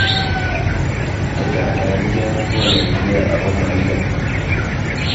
chechang eng icheek konetigie ago maingen